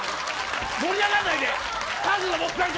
盛り上がらないで。